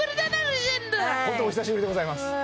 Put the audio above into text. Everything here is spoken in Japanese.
本当お久しぶりでございます